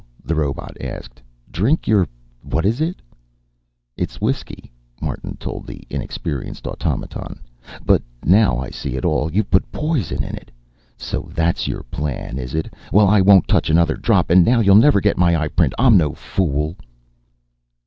the robot asked. "Drink your what is it?" "It's whiskey," Martin told the inexperienced automaton, "but now I see it all. You've put poison in it. So that's your plan, is it? Well, I won't touch another drop, and now you'll never get my eyeprint. I'm no fool."